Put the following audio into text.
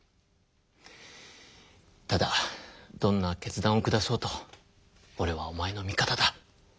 ただどんな決断を下そうとおれはおまえの味方だ。